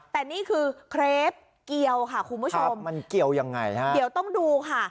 แต่นี่คือเครปเกียวค่ะคุณผู้ชมมันเกียวยังไงฮะเดี๋ยวต้องดูค่ะ